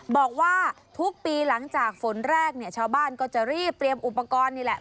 บอกว่าทุกปีหลังจากฝนแรกเนี่ยชาวบ้านก็จะรีบเตรียมอุปกรณ์นี่แหละ